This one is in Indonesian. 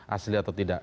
asli atau tidak